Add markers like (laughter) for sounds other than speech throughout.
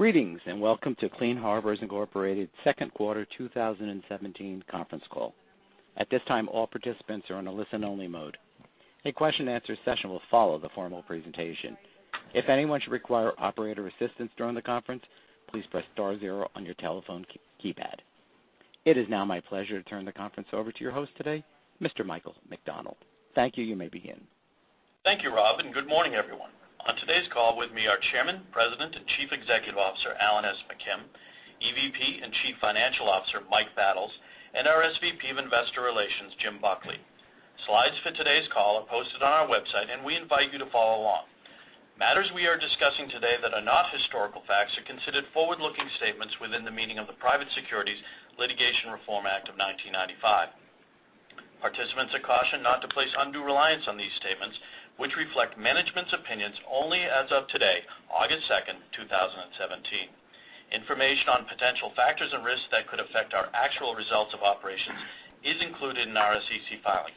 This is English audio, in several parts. Greetings and welcome to Clean Harbors Incorporated's second quarter 2017 conference call. At this time, all participants are in a listen-only mode. A question-and-answer session will follow the formal presentation. If anyone should require operator assistance during the conference, please press star zero on your telephone keypad. It is now my pleasure to turn the conference over to your host today, Mr. Michael McDonald. Thank you, you may begin. Thank you, Rob, and good morning, everyone. On today's call with me are Chairman, President, and Chief Executive Officer Alan S. McKim, EVP, and Chief Financial Officer Mike Battles, and our SVP of Investor Relations, Jim Buckley. Slides for today's call are posted on our website, and we invite you to follow along. Matters we are discussing today that are not historical facts are considered forward-looking statements within the meaning of the Private Securities Litigation Reform Act of 1995. Participants are cautioned not to place undue reliance on these statements, which reflect management's opinions only as of today, August two, 2017. Information on potential factors and risks that could affect our actual results of operations is included in our SEC filings.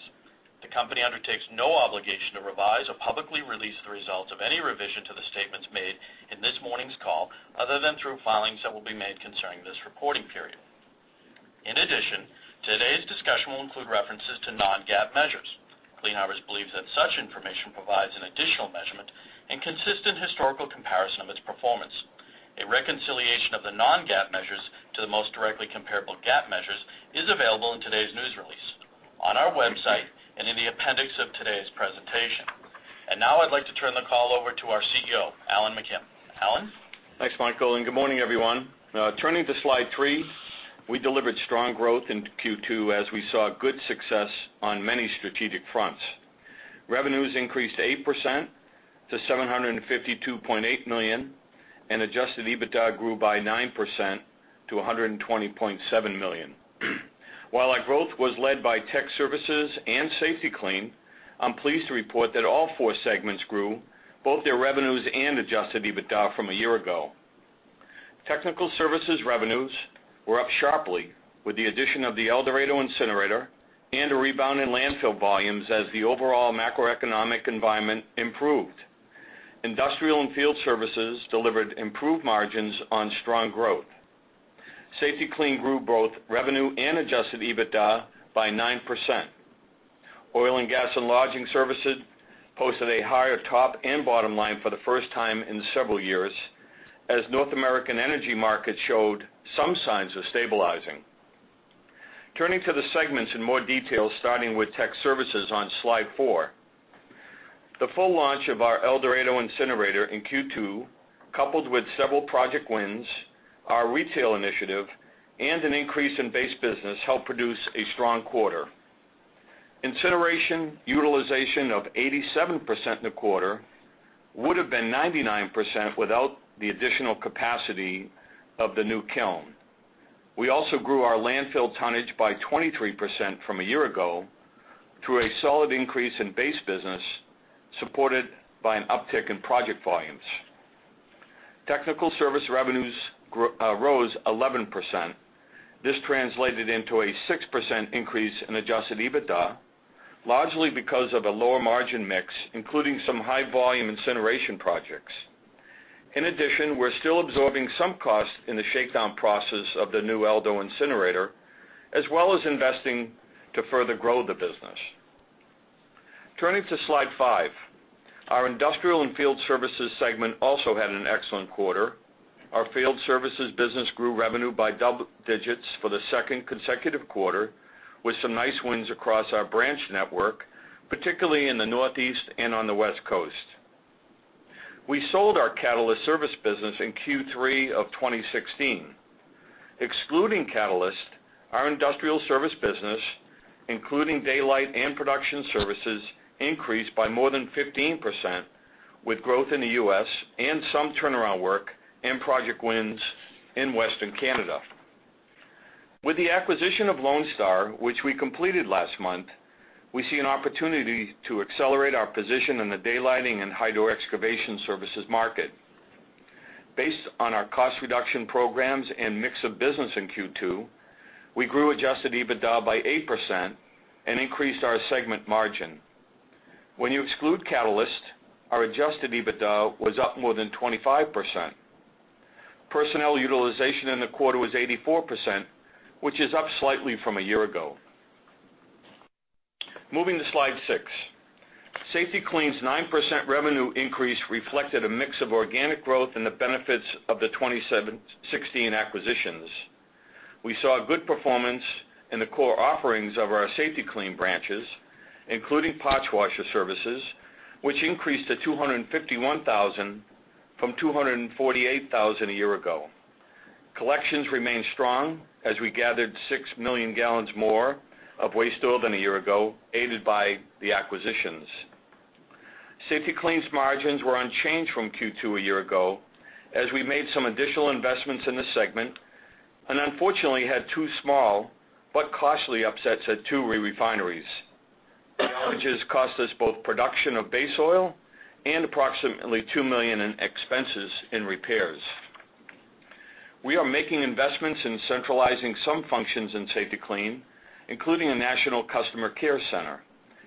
The company undertakes no obligation to revise or publicly release the results of any revision to the statements made in this morning's call other than through filings that will be made concerning this reporting period. In addition, today's discussion will include references to non-GAAP measures. Clean Harbors believes that such information provides an additional measurement and consistent historical comparison of its performance. A reconciliation of the non-GAAP measures to the most directly comparable GAAP measures is available in today's news release, on our website, and in the appendix of today's presentation. Now I'd like to turn the call over to our CEO, Alan McKim. Alan? Thanks, Michael, and good morning, everyone. Turning to slide three, we delivered strong growth in Q2 as we saw good success on many strategic fronts. Revenues increased 8% to $752.8 million, and adjusted EBITDA grew by 9% to $120.7 million. While our growth was led by tech services and Safety-Kleen, I'm pleased to report that all four segments grew, both their revenues and adjusted EBITDA from a year ago. Technical services revenues were up sharply with the addition of the El Dorado incinerator and a rebound in landfill volumes as the overall macroeconomic environment improved. Industrial and field services delivered improved margins on strong growth. Safety-Kleen grew both revenue and adjusted EBITDA by 9%. Oil and gas and lodging services posted a higher top and bottom line for the first time in several years as North American energy markets showed some signs of stabilizing. Turning to the segments in more detail, starting with Technical Services on slide four, the full launch of our El Dorado incinerator in Q2, coupled with several project wins, our retail initiative, and an increase in base business helped produce a strong quarter. Incineration utilization of 87% in the quarter would have been 99% without the additional capacity of the new kiln. We also grew our landfill tonnage by 23% from a year ago through a solid increase in base business supported by an uptick in project volumes. Technical Services revenues rose 11%. This translated into a 6% increase in Adjusted EBITDA, largely because of a lower margin mix, including some high-volume incineration projects. In addition, we're still absorbing some costs in the shakedown process of the new El Dorado incinerator, as well as investing to further grow the business. Turning to slide five, our Industrial and Field Services segment also had an excellent quarter. Our field services business grew revenue by double digits for the second consecutive quarter with some nice wins across our branch network, particularly in the Northeast and on the West Coast. We sold our catalyst service business in Q3 of 2016. Excluding catalyst, our industrial services business, including daylighting and production services, increased by more than 15% with growth in the U.S. and some turnaround work and project wins in Western Canada. With the acquisition of Lonestar, which we completed last month, we see an opportunity to accelerate our position in the daylighting and hydro-excavation services market. Based on our cost reduction programs and mix of business in Q2, we grew Adjusted EBITDA by 8% and increased our segment margin. When you exclude catalyst, our Adjusted EBITDA was up more than 25%. Personnel utilization in the quarter was 84%, which is up slightly from a year ago. Moving to slide six, Safety-Kleen's 9% revenue increase reflected a mix of organic growth and the benefits of the 2016 acquisitions. We saw good performance in the core offerings of our Safety-Kleen branches, including parts washer services, which increased to 251,000 from 248,000 a year ago. Collections remained strong as we gathered 6 million gallons more of waste oil than a year ago, aided by the acquisitions. Safety-Kleen margins were unchanged from Q2 a year ago as we made some additional investments in the segment and unfortunately had two small but costly upsets at two refineries. The outages cost us both production of base oil and approximately $2 million in expenses and repairs. We are making investments in centralizing some functions in Safety-Kleen, including a national customer care center.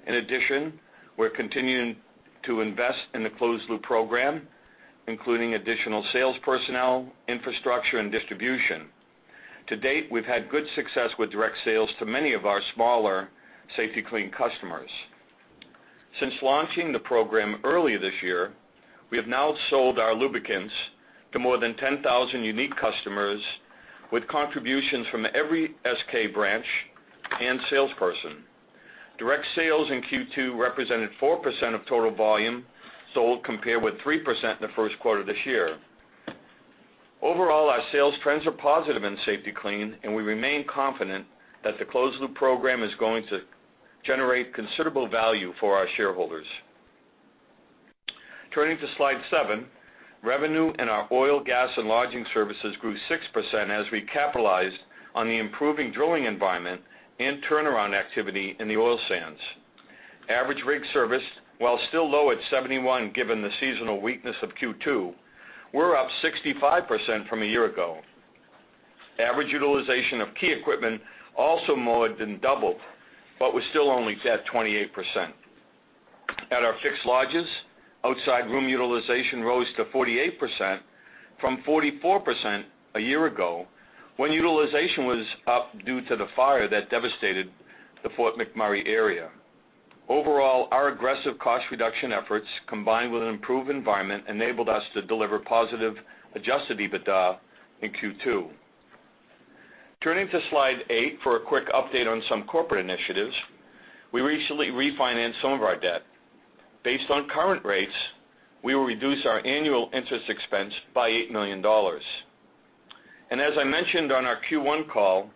In addition, we're continuing to invest in the closed-loop program, including additional sales personnel, infrastructure, and distribution. To date, we've had good success with direct sales to many of our smaller Safety-Kleen customers. Since launching the program earlier this year, we have now sold our lubricants to more than 10,000 unique customers with contributions from every SK branch and salesperson. Direct sales in Q2 represented 4% of total volume sold, compared with 3% in the first quarter of this year. Overall, our sales trends are positive in Safety-Kleen, and we remain confident that the closed-loop program is going to generate considerable value for our shareholders. Turning to slide seven, revenue in our oil, gas, and lodging services grew 6% as we capitalized on the improving drilling environment and turnaround activity in the oil sands. Average rig service, while still low at 71 given the seasonal weakness of Q2, we're up 65% from a year ago. Average utilization of key equipment also more than doubled, but was still only at 28%. At our fixed lodges, outside room utilization rose to 48% from 44% a year ago when utilization was up due to the fire that devastated the Fort McMurray area. Overall, our aggressive cost reduction efforts, combined with an improved environment, enabled us to deliver positive Adjusted EBITDA in Q2. Turning to slide 8 eight for a quick update on some corporate initiatives, we recently refinanced some of our debt. Based on current rates, we will reduce our annual interest expense by $8 million. And as I mentioned on our Q1 call,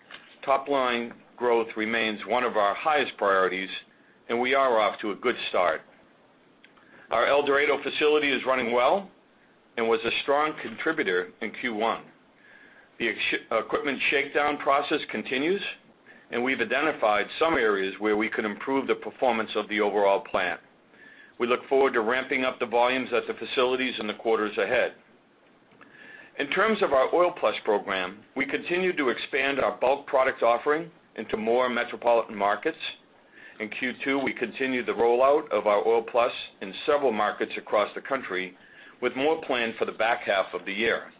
top-line growth remains one of our highest priorities, and we are off to a good start. Our El Dorado facility is running well and was a strong contributor in Q1. The equipment shakedown process continues, and we've identified some areas where we could improve the performance of the overall plant. We look forward to ramping up the volumes at the facilities in the quarters ahead. In terms of our OilPlus program, we continue to expand our bulk product offering into more metropolitan markets. In Q2, we continue the rollout of our OilPlus in several markets across the country, with more planned for the back half of the year.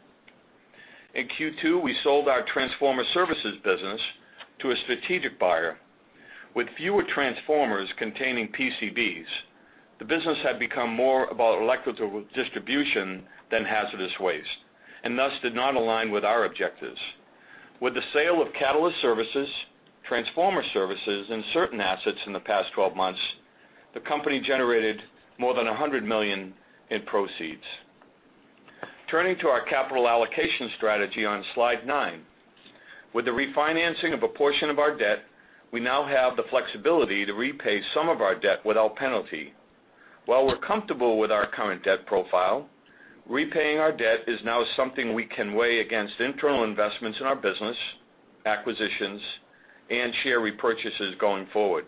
In Q2, we sold our transformer services business to a strategic buyer. With fewer transformers containing PCBs, the business had become more about electrical distribution than hazardous waste and thus did not align with our objectives. With the sale of catalyst services, transformer services, and certain assets in the past 12 months, the company generated more than $100 million in proceeds. Turning to our capital allocation strategy on slide nine, with the refinancing of a portion of our debt, we now have the flexibility to repay some of our debt without penalty. While we're comfortable with our current debt profile, repaying our debt is now something we can weigh against internal investments in our business, acquisitions, and share repurchases going forward.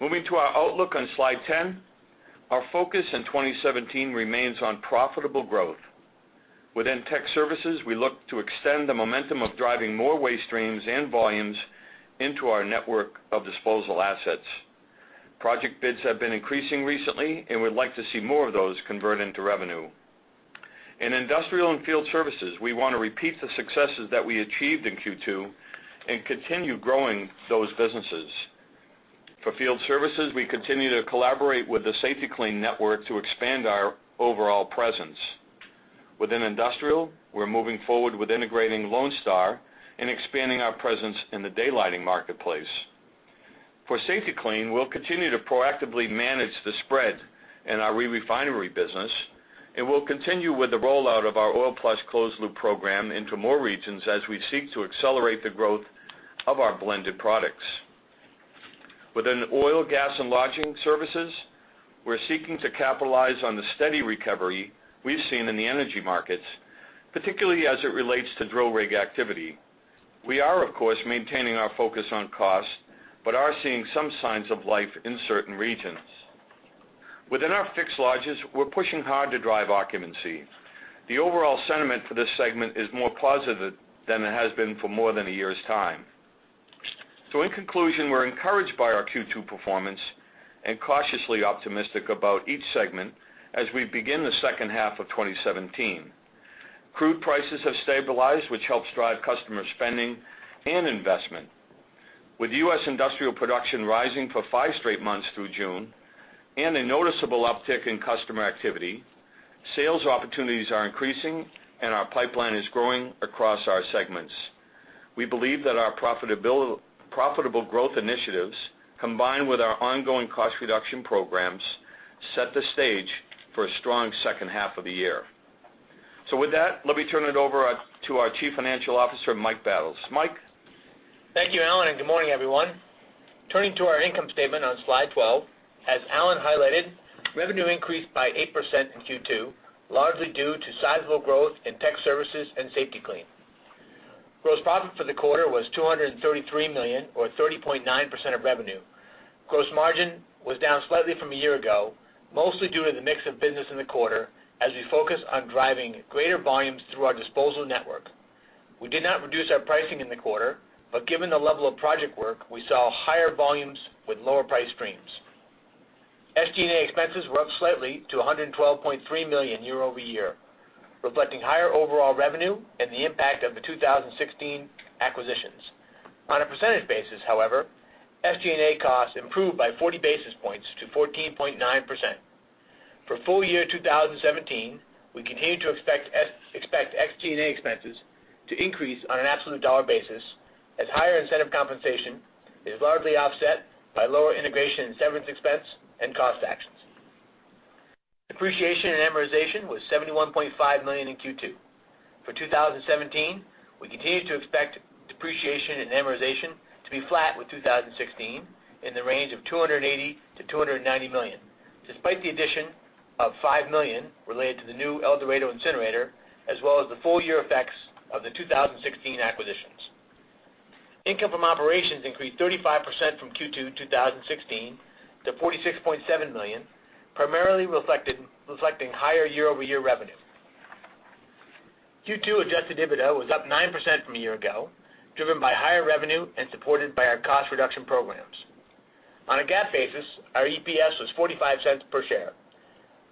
Moving to our outlook on slide 10, our focus in 2017 remains on profitable growth. Within tech services, we look to extend the momentum of driving more waste streams and volumes into our network of disposal assets. Project bids have been increasing recently, and we'd like to see more of those convert into revenue. In industrial and field services, we want to repeat the successes that we achieved in Q2 and continue growing those businesses. For field services, we continue to collaborate with the Safety-Kleen network to expand our overall presence. Within industrial, we're moving forward with integrating Lone Star and expanding our presence in the daylighting marketplace. For Safety-Kleen, we'll continue to proactively manage the spread in our refinery business, and we'll continue with the rollout of our Oil Plus closed-loop program into more regions as we seek to accelerate the growth of our blended products. Within oil, gas, and lodging services, we're seeking to capitalize on the steady recovery we've seen in the energy markets, particularly as it relates to drill rig activity. We are, of course, maintaining our focus on cost but are seeing some signs of life in certain regions. Within our fixed lodges, we're pushing hard to drive occupancy. The overall sentiment for this segment is more positive than it has been for more than a year's time. So in conclusion, we're encouraged by our Q2 performance and cautiously optimistic about each segment as we begin the second half of 2017. Crude prices have stabilized, which helps drive customer spending and investment. With U.S. industrial production rising for five straight months through June and a noticeable uptick in customer activity, sales opportunities are increasing, and our pipeline is growing across our segments. We believe that our profitable growth initiatives, combined with our ongoing cost reduction programs, set the stage for a strong second half of the year. So with that, let me turn it over to our Chief Financial Officer, Mike Battles. Mike. Thank you, Alan, and good morning, everyone. Turning to our income statement on slide 12, as Alan highlighted, revenue increased by 8% in Q2, largely due to sizable growth in Technical Services and Safety-Kleen. Gross profit for the quarter was $233 million, or 30.9% of revenue. Gross margin was down slightly from a year ago, mostly due to the mix of business in the quarter as we focused on driving greater volumes through our disposal network. We did not reduce our pricing in the quarter, but given the level of project work, we saw higher volumes with lower price streams. SG&A expenses were up slightly to $112.3 million year-over-year, reflecting higher overall revenue and the impact of the 2016 acquisitions. On a percentage basis, however, SG&A costs improved by 40 basis points to 14.9%. For full year 2017, we continue to expect SG&A expenses to increase on an absolute dollar basis as higher incentive compensation is largely offset by lower integration and severance expense and cost actions. Depreciation and amortization was $71.5 million in Q2. For 2017, we continue to expect depreciation and amortization to be flat with 2016 in the range of $280 million-$290 million, despite the addition of $5 million related to the new El Dorado incinerator, as well as the full year effects of the 2016 acquisitions. Income from operations increased 35% from Q2 2016 to $46.7 million, primarily reflecting higher year-over-year revenue. Q2 adjusted EBITDA was up 9% from a year ago, driven by higher revenue and supported by our cost reduction programs. On a GAAP basis, our EPS was $0.45 per share.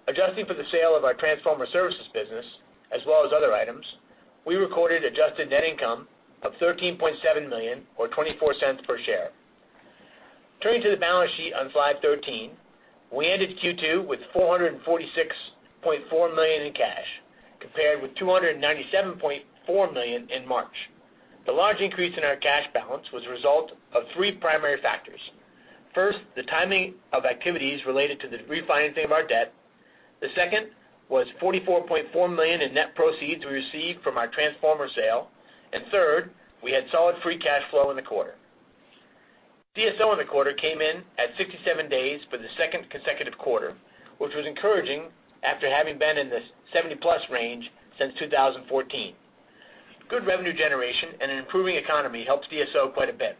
Adjusting for the sale of our transformer services business, as well as other items, we recorded adjusted net income of $13.7 million, or $0.24 per share. Turning to the balance sheet on slide 13, we ended Q2 with $446.4 million in cash, compared with $297.4 million in March. The large increase in our cash balance was a result of three primary factors. First, the timing of activities related to the refinancing of our debt. The second was $44.4 million in net proceeds we received from our transformer sale. And third, we had solid free cash flow in the quarter. DSO in the quarter came in at 67 days for the second consecutive quarter, which was encouraging after having been in the 70-plus range since 2014. Good revenue generation and an improving economy helped DSO quite a bit.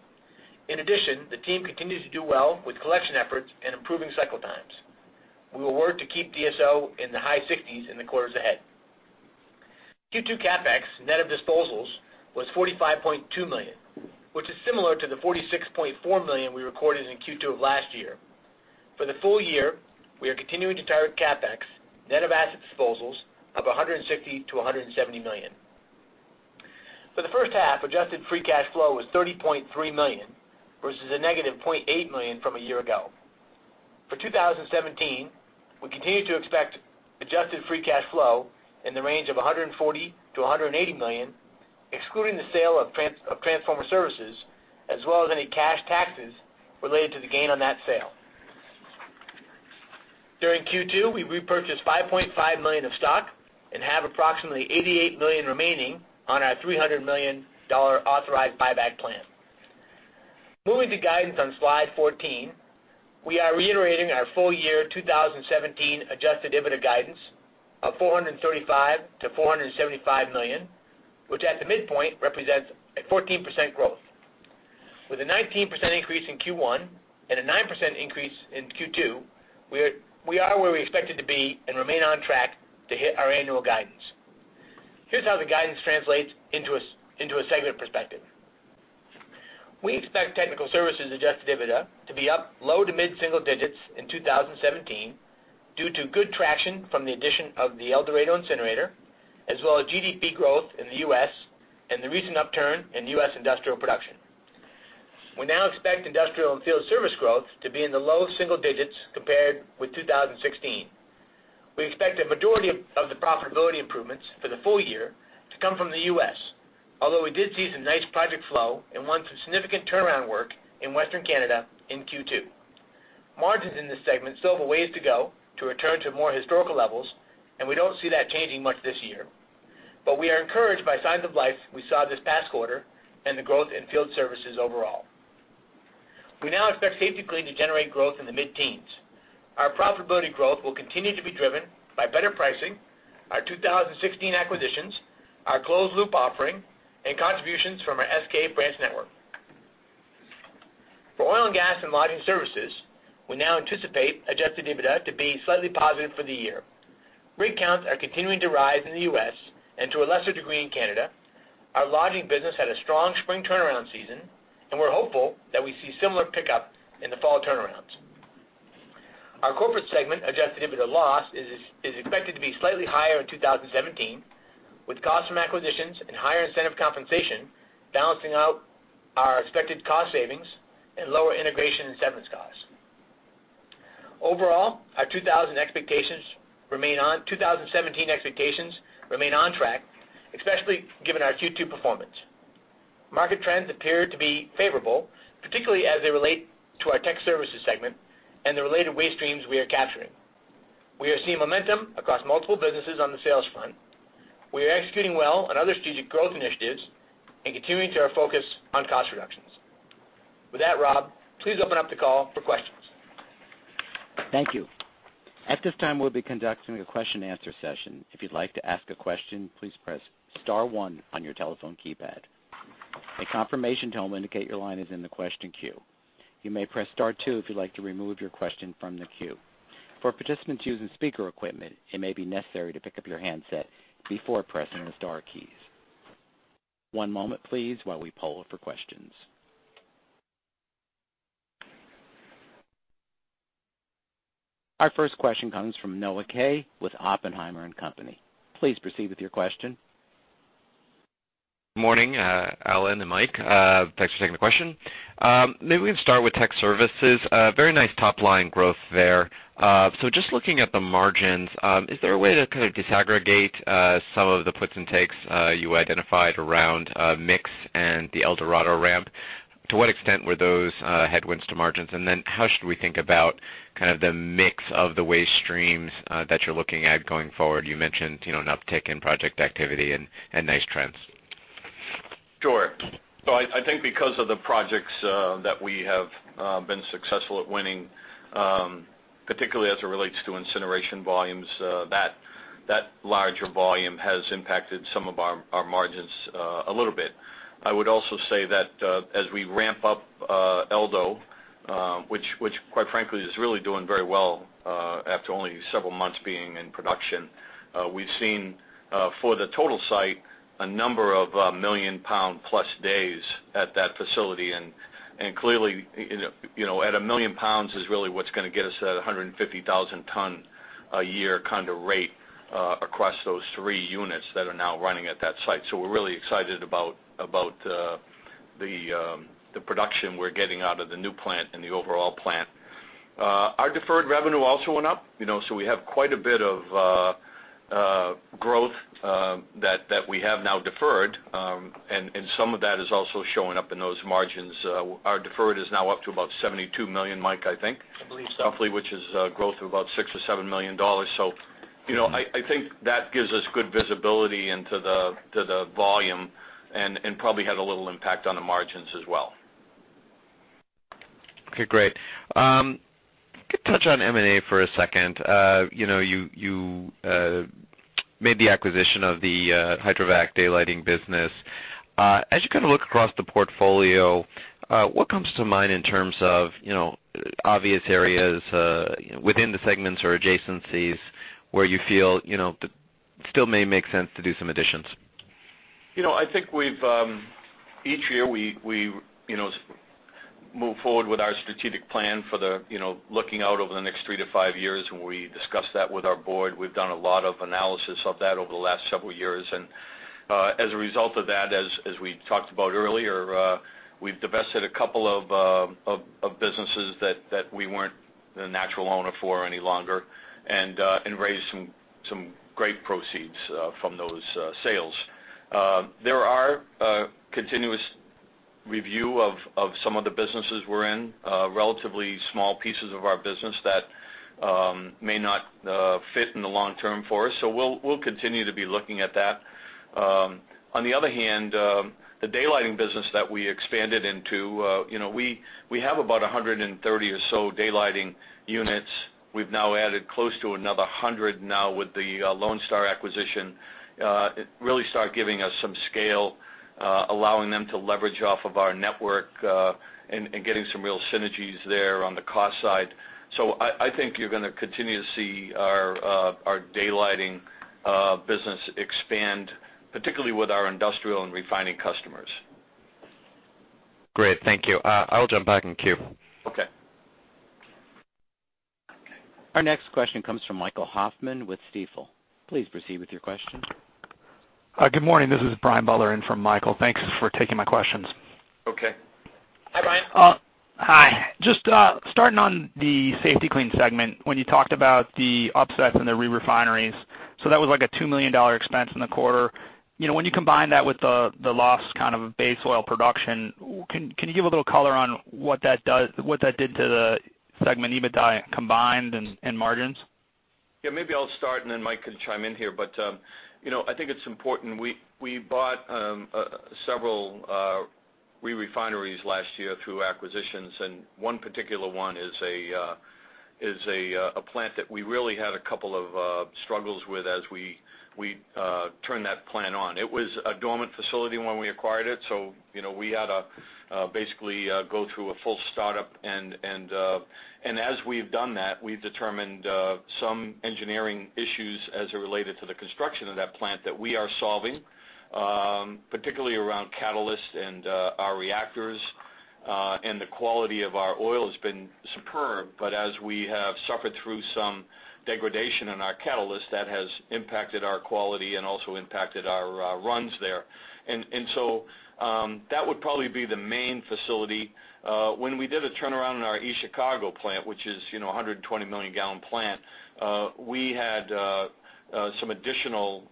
In addition, the team continues to do well with collection efforts and improving cycle times. We will work to keep DSO in the high 60s in the quarters ahead. Q2 CapEx, net of disposals, was $45.2 million, which is similar to the $46.4 million we recorded in Q2 of last year. For the full year, we are continuing to target CapEx, net of asset disposals, of $160 million-$170 million. For the first half, adjusted free cash flow was $30.3 million versus -$0.8 million from a year ago. For 2017, we continue to expect adjusted free cash flow in the range of $140 million-$180 million, excluding the sale of transformer services, as well as any cash taxes related to the gain on that sale. During Q2, we repurchased $5.5 million of stock and have approximately $88 million remaining on our $300 million authorized buyback plan. Moving to guidance on slide 14, we are reiterating our full year 2017 Adjusted EBITDA guidance of $435 million-$475 million, which at the midpoint represents a 14% growth. With a 19% increase in Q1 and a 9% increase in Q2, we are where we expected to be and remain on track to hit our annual guidance. Here's how the guidance translates into a segment perspective. We expect Technical Services Adjusted EBITDA to be up low to mid single digits in 2017 due to good traction from the addition of the El Dorado incinerator, as well as GDP growth in the U.S. and the recent upturn in U.S. industrial production. We now expect Industrial and Field Services growth to be in the low single digits compared with 2016. We expect a majority of the profitability improvements for the full year to come from the U.S., although we did see some nice project flow and want some significant turnaround work in Western Canada in Q2. Margins in this segment still have a ways to go to return to more historical levels, and we don't see that changing much this year, but we are encouraged by signs of life we saw this past quarter and the growth in field services overall. We now expect Safety-Kleen to generate growth in the mid-teens. Our profitability growth will continue to be driven by better pricing, our 2016 acquisitions, our closed-loop offering, and contributions from our SK branch network. For Oil and Gas and Lodging Services, we now anticipate adjusted EBITDA to be slightly positive for the year. Rig counts are continuing to rise in the U.S. and to a lesser degree in Canada. Our lodging business had a strong spring turnaround season, and we're hopeful that we see similar pickup in the fall turnarounds. Our corporate segment Adjusted EBITDA loss is expected to be slightly higher in 2017, with costs from acquisitions and higher incentive compensation balancing out our expected cost savings and lower integration and severance costs. Overall, our 2017 expectations remain on track, especially given our Q2 performance. Market trends appear to be favorable, particularly as they relate to our tech services segment and the related waste streams we are capturing. We are seeing momentum across multiple businesses on the sales front. We are executing well on other strategic growth initiatives and continuing to focus on cost reductions. With that, Rob, please open up the call for questions. Thank you. At this time, we'll be conducting a question-and-answer session. If you'd like to ask a question, please press star one on your telephone keypad. A confirmation tone will indicate your line is in the question queue. You may press star two if you'd like to remove your question from the queue. For participants using speaker equipment, it may be necessary to pick up your handset before pressing the Star keys. One moment, please, while we poll for questions. Our first question comes from Noah Kaye with Oppenheimer & Company. Please proceed with your question. Good morning, Alan and Mike. Thanks for taking the question. Maybe we can start with tech services. Very nice top-line growth there. So just looking at the margins, is there a way to kind of disaggregate some of the puts and takes you identified around mix and the El Dorado ramp? To what extent were those headwinds to margins? And then how should we think about kind of the mix of the waste streams that you're looking at going forward? You mentioned an uptick in project activity and nice trends. Sure. So I think because of the projects that we have been successful at winning, particularly as it relates to incineration volumes, that larger volume has impacted some of our margins a little bit. I would also say that as we ramp up Eldo, which, quite frankly, is really doing very well after only several months being in production, we've seen for the total site a number of million-pound-plus days at that facility. And clearly, at 1 million pounds is really what's going to get us at a 150,000-ton-a-year kind of rate across those three units that are now running at that site. So we're really excited about the production we're getting out of the new plant and the overall plant. Our deferred revenue also went up. We have quite a bit of growth that we have now deferred, and some of that is also showing up in those margins. Our deferred is now up to about $72 million, Mike, I think. I believe so. Roughly, which is a growth of about $6 million or $7 million. So I think that gives us good visibility into the volume and probably had a little impact on the margins as well. Okay, great. Touch on M&A for a second. You made the acquisition of the Hydrovac Daylighting business. As you kind of look across the portfolio, what comes to mind in terms of obvious areas within the segments or adjacencies where you feel it still may make sense to do some additions? I think each year we move forward with our strategic plan for looking out over the next three-five years, and we discuss that with our board. We've done a lot of analysis of that over the last several years. As a result of that, as we talked about earlier, we've divested a couple of businesses that we weren't the natural owner for any longer and raised some great proceeds from those sales. There are continuous reviews of some of the businesses we're in, relatively small pieces of our business that may not fit in the long term for us. We'll continue to be looking at that. On the other hand, the daylighting business that we expanded into, we have about 130 or so daylighting units. We've now added close to another 100 now with the Lone Star acquisition. It really started giving us some scale, allowing them to leverage off of our network and getting some real synergies there on the cost side. So I think you're going to continue to see our daylighting business expand, particularly with our industrial and refining customers. Great. Thank you. I'll jump back in queue. Okay. Our next question comes from Michael Hoffman with Stifel. Please proceed with your question. Good morning. This is Brian Beller in for Michael. Thanks for taking my questions. Okay. Hi, Brian. Hi. Just starting on the Safety-Kleen segment, when you talked about the upsets and the re-refineries, so that was like a $2 million expense in the quarter. When you combine that with the loss kind of base oil production, can you give a little color on what that did to the segment EBITDA combined and margins? Yeah. Maybe I'll start, and then Mike can chime in here. But I think it's important. We bought several re-refineries last year through acquisitions, and one particular one is a plant that we really had a couple of struggles with as we turned that plant on. It was a dormant facility when we acquired it, so we had to basically go through a full startup. And as we've done that, we've determined some engineering issues as it related to the construction of that plant that we are solving, particularly around catalysts and our reactors. And the quality of our oil has been superb, but as we have suffered through some degradation in our catalyst, that has impacted our quality and also impacted our runs there. And so that would probably be the main facility. When we did a turnaround in our East Chicago plant, which is a 120 million gallon plant, we had some additional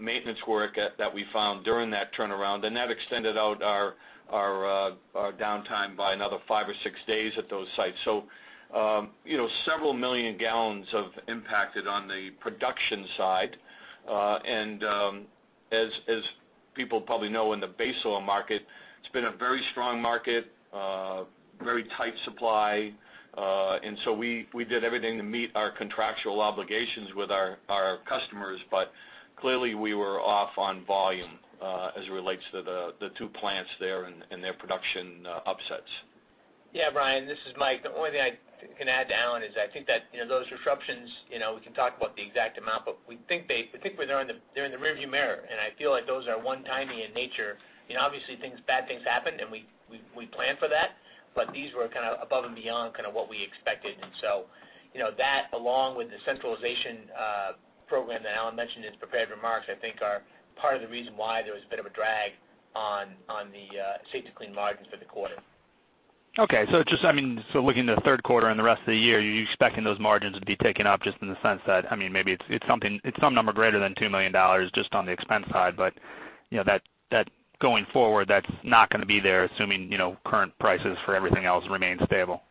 maintenance work that we found during that turnaround, and that extended out our downtime by another five or six days at those sites. So several million gallons of impacted on the production side. And as people probably know, in the base oil market, it's been a very strong market, very tight supply. And so we did everything to meet our contractual obligations with our customers, but clearly, we were off on volume as it relates to the two plants there and their production upsets. Yeah, Brian, this is Mike. The only thing I can add to Alan is I think that those disruptions, we can talk about the exact amount, but we think they're in the rearview mirror. And I feel like those are one-time in nature. Obviously, bad things happen, and we plan for that, but these were kind of above and beyond kind of what we expected. And so that, along with the centralization program that Alan mentioned in his prepared remarks, I think are part of the reason why there was a bit of a drag on the Safety-Kleen margins for the quarter. Okay. So looking to the third quarter and the rest of the year, you're expecting those margins to be taken up just in the sense that maybe it's some number greater than $2 million just on the expense side, but going forward, that's not going to be there, assuming current prices for everything else remain stable.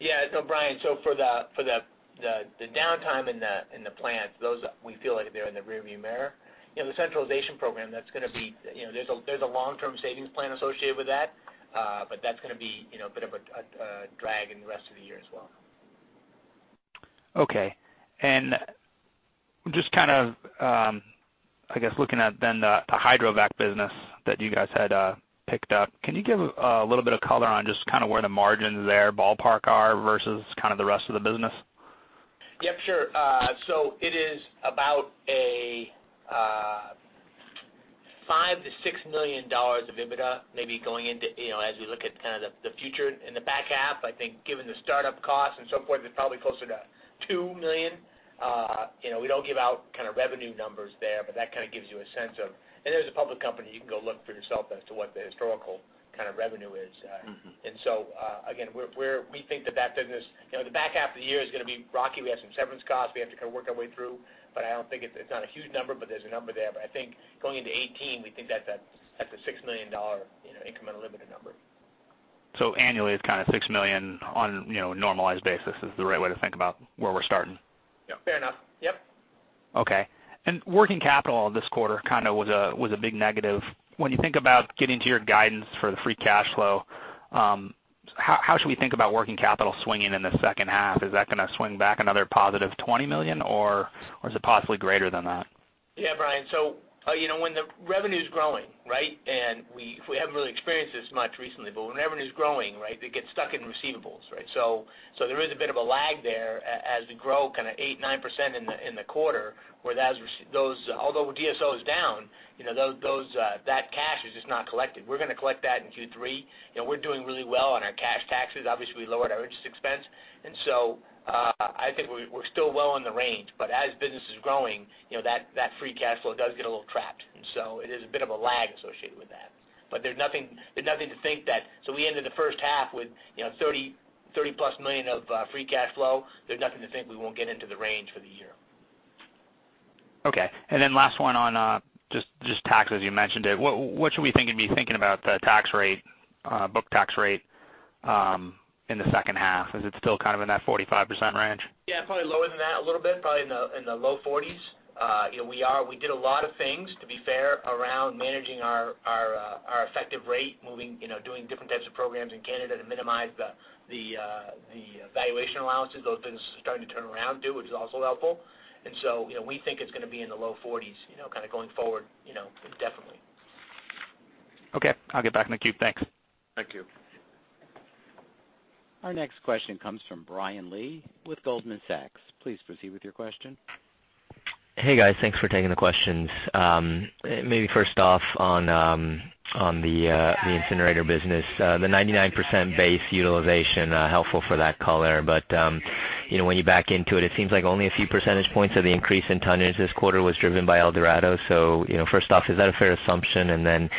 Yeah. No, Brian, so for the downtime in the plants, we feel like they're in the rearview mirror. The centralization program, that's going to be. There's a long-term savings plan associated with that, but that's going to be a bit of a drag in the rest of the year as well. Okay. Just kind of, I guess, looking at then the Hydrovac business that you guys had picked up, can you give a little bit of color on just kind of where the margins there, ballpark, are versus kind of the rest of the business? Yep, sure. So it is about a $5 million -$6 million of EBITDA, maybe going into as we look at kind of the future in the back half. I think given the startup costs and so forth, it's probably closer to $2 million. We don't give out kind of revenue numbers there, but that kind of gives you a sense of and there's a public company you can go look for yourself as to what the historical kind of revenue is. And so, again, we think the back half of the year is going to be rocky. We have some severance costs. We have to kind of work our way through, but I don't think it's not a huge number, but there's a number there. But I think going into 2018, we think that's a $6 million incremental EBITDA number. Annually, it's kind of $6 million on a normalized basis is the right way to think about where we're starting. Yeah. Fair enough. Yep. Okay. Working capital this quarter kind of was a big negative. When you think about getting to your guidance for the free cash flow, how should we think about working capital swinging in the second half? Is that going to swing back another positive $20 million, or is it possibly greater than that? Yeah, Brian. So when the revenue's growing, right, and we haven't really experienced this much recently, but when revenue's growing, right, it gets stuck in receivables, right? So there is a bit of a lag there as we grow kind of 8%-9% in the quarter, where although DSO is down, that cash is just not collected. We're going to collect that in Q3. We're doing really well on our cash taxes. Obviously, we lowered our interest expense. And so I think we're still well in the range, but as business is growing, that free cash flow does get a little trapped. And so it is a bit of a lag associated with that. But there's nothing to think that so we ended the first half with $30+ million of free cash flow. There's nothing to think we won't get into the range for the year. Okay. And then last one on just taxes, you mentioned it. What should we be thinking about the tax rate, book tax rate, in the second half? Is it still kind of in that 45% range? Yeah, probably lower than that a little bit, probably in the low 40s. We did a lot of things, to be fair, around managing our effective rate, doing different types of programs in Canada to minimize the valuation allowances. Those businesses are starting to turn around too, which is also helpful. And so we think it's going to be in the low 40s kind of going forward, definitely. Okay. I'll get back in the queue. Thanks. Thank you. Our next question comes from Brian Lee with Goldman Sachs. Please proceed with your question. Hey, guys. Thanks for taking the questions. Maybe first off on the incinerator business, the 99% base utilization, helpful for that color. But when you back into it, it seems like only a few percentage points of the increase in tonnage this quarter was driven by El Dorado. So first off, is that a fair assumption? And then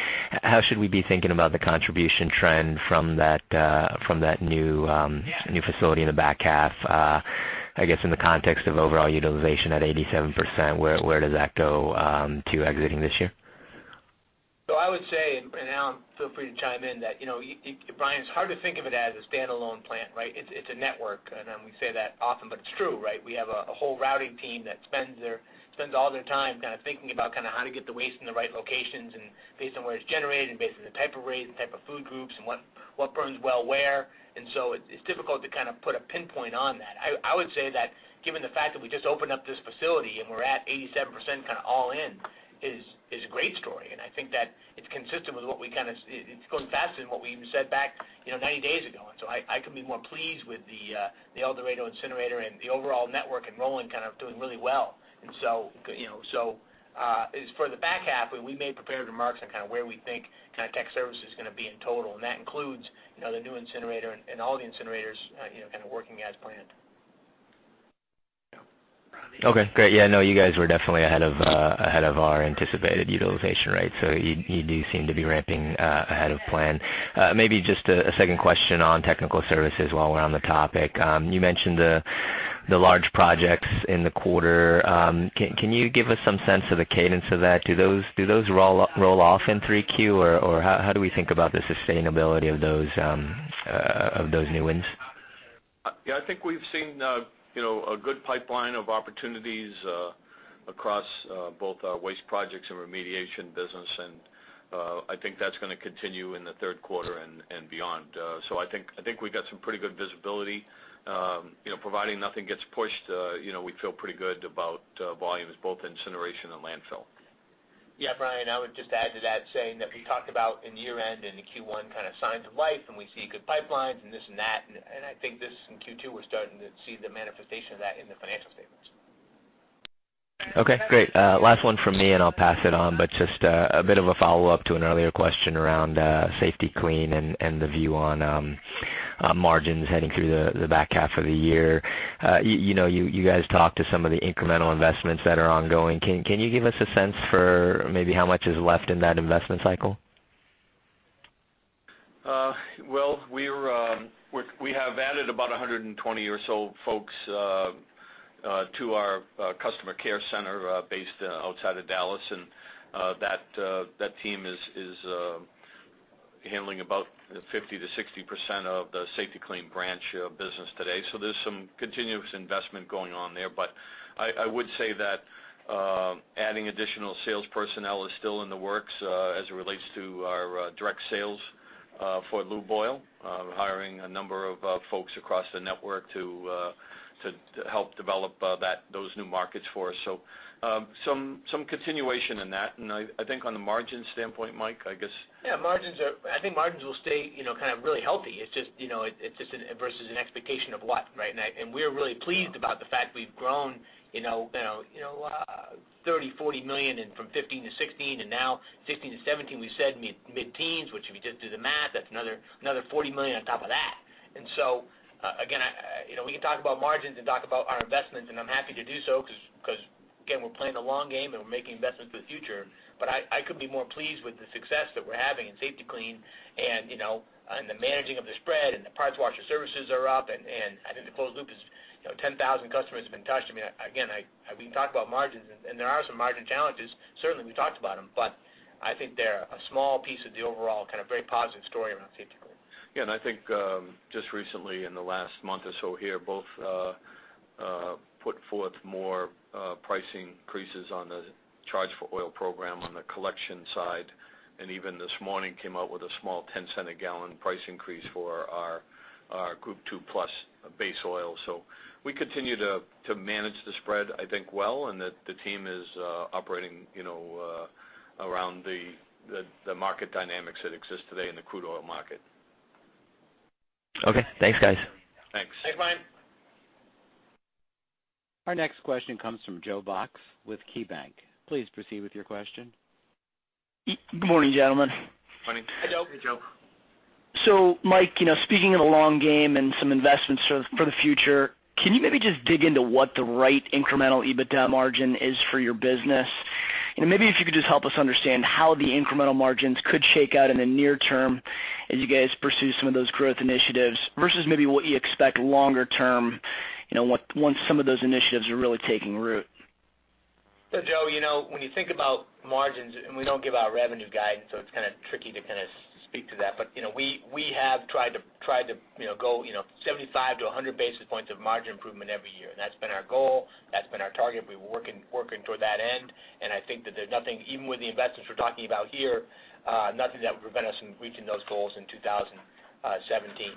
how should we be thinking about the contribution trend from that new facility in the back half, I guess, in the context of overall utilization at 87%? Where does that go to exiting this year? So I would say, and Alan, feel free to chime in, that it's hard to think of it as a standalone plant, right? It's a network. And we say that often, but it's true, right? We have a whole routing team that spends all their time kind of thinking about kind of how to get the waste in the right locations and based on where it's generated and based on the type of waste, the type of feed groups, and what burns well where. And so it's difficult to kind of put a pinpoint on that. I would say that given the fact that we just opened up this facility and we're at 87% kind of all in is a great story. And I think that it's consistent with what we kind of (audio distortion) it's going faster than what we even said back 90 days ago. So I could be more pleased with the El Dorado incinerator and the overall network and rolling kind of doing really well. So as for the back half, we may prepare remarks on kind of where we think kind of tech services are going to be in total. And that includes the new incinerator and all the incinerators kind of working as planned. Okay. Great. Yeah. No, you guys were definitely ahead of our anticipated utilization, right? So you do seem to be ramping ahead of plan. Maybe just a second question on Technical Services while we're on the topic. You mentioned the large projects in the quarter. Can you give us some sense of the cadence of that? Do those roll off in 3Q, or how do we think about the sustainability of those new wins? Yeah. I think we've seen a good pipeline of opportunities across both our waste projects and remediation business. I think that's going to continue in the third quarter and beyond. I think we've got some pretty good visibility. Providing nothing gets pushed, we feel pretty good about volumes, both incineration and landfill. Yeah, Brian, I would just add to that, saying that we talked about in year-end and in Q1 kind of signs of life, and we see good pipelines and this and that. And I think this, in Q2, we're starting to see the manifestation of that in the financial statements. Okay. Great. Last one from me, and I'll pass it on, but just a bit of a follow-up to an earlier question around Safety-Kleen and the view on margins heading through the back half of the year. You guys talked to some of the incremental investments that are ongoing. Can you give us a sense for maybe how much is left in that investment cycle? Well, we have added about 120 or so folks to our customer care center based outside of Dallas. And that team is handling about 50%-60% of the Safety-Kleen branch business today. So there's some continuous investment going on there. But I would say that adding additional sales personnel is still in the works as it relates to our direct sales for lube oil, hiring a number of folks across the network to help develop those new markets for us. So some continuation in that. And I think on the margin standpoint, Mike, I guess. Yeah. I think margins will stay kind of really healthy. It's just versus an expectation of what, right? And we're really pleased about the fact we've grown $30 million-$40 million from 2015 to 2016, and now 2016 to 2017, we said mid-teens, which if you just do the math, that's another $40 million on top of that. And so, again, we can talk about margins and talk about our investments, and I'm happy to do so because, again, we're playing the long game and we're making investments for the future. But I couldn't be more pleased with the success that we're having in Safety-Kleen and the managing of the spread and the parts washer services are up. And I think the closed-loop is 10,000 customers have been touched. I mean, again, we can talk about margins, and there are some margin challenges. Certainly, we talked about them, but I think they're a small piece of the overall kind of very positive story around Safety-Kleen. Yeah. And I think just recently, in the last month or so here, both put forth more pricing increases on the Charge-for-Oil program on the collection side. And even this morning, came out with a small $0.10-a-gallon price increase for our Group II+ base oil. So we continue to manage the spread, I think, well, and that the team is operating around the market dynamics that exist today in the crude oil market. Okay. Thanks, guys. Thanks. Thanks, Brian. Our next question comes from Joe Bucciero with KeyBank. Please proceed with your question. Good morning, gentlemen. Morning. Hey, Joe. So, Mike, speaking of the long game and some investments for the future, can you maybe just dig into what the right incremental EBITDA margin is for your business? And maybe if you could just help us understand how the incremental margins could shake out in the near term as you guys pursue some of those growth initiatives versus maybe what you expect longer term once some of those initiatives are really taking root? So, Joe, when you think about margins, and we don't give out revenue guidance, so it's kind of tricky to kind of speak to that, but we have tried to go 75-100 basis points of margin improvement every year. That's been our goal. That's been our target. We're working toward that end. And I think that there's nothing, even with the investments we're talking about here, nothing that would prevent us from reaching those goals in 2017.